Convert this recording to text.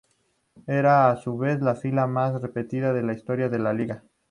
Era, a su vez, la final más repetida en la historia de la liga.